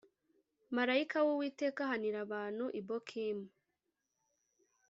Marayika w Uwiteka ahanira abantu i Bokimu